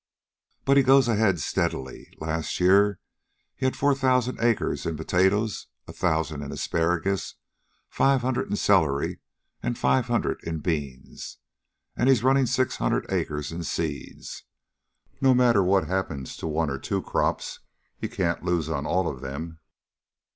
But he goes ahead steadily. Last year he had four thousand acres in potatoes, a thousand in asparagus, five hundred in celery and five hundred in beans. And he's running six hundred acres in seeds. No matter what happens to one or two crops, he can't lose on all of them."